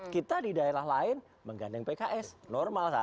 kita di daerah lain menggandeng pks normal saja